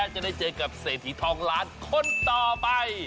จะได้เจอกับเศรษฐีทองล้านคนต่อไป